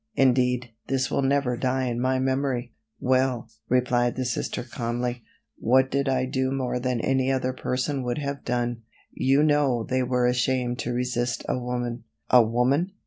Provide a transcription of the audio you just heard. Indeed, this will never die in my memory." "Well," replied the Sister calmly, "what did I do more than any other person would have done? You know they were ashamed to resist a woman." "A woman!"